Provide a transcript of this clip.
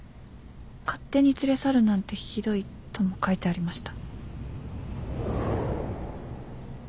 「勝手に連れ去るなんてひどい」とも書いてありました。